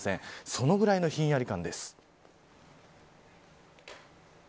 そのくらいのひんやり感です。